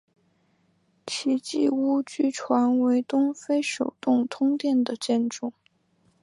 奇迹屋据传为东非首幢通电的建筑。